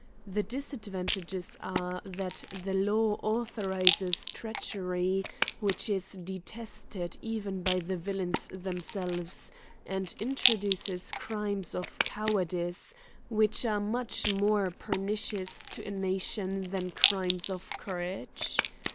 The disadvantages are, that the law authorises treachery, which is detested even by the villains themselves, and introduces crimes of cowardice, which are much more pernicious to a nation than crimes of courage.